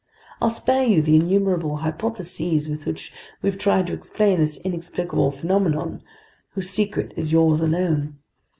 I'll spare you the innumerable hypotheses with which we've tried to explain this inexplicable phenomenon, whose secret is yours alone.